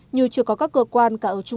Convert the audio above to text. nhưng chưa có các cơ quan cả ở trung ương